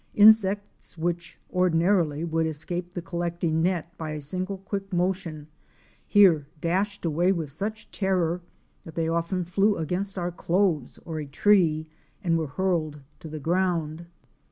Insects which ordinarily would es cape the collecting net by a single quick motion, here dashed away with such terror that they often flew against our clothes or a tree, and were hurled to the ground.